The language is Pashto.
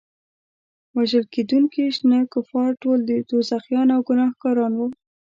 وژل کېدونکي شنه کفار ټول دوزخیان او ګناهګاران وو.